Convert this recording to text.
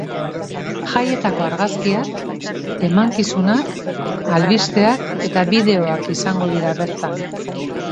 Jaietako argazkiak, emankizunak, albisteak eta bideoak izango dira bertan.